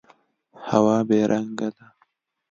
هوا بې رنګه ده.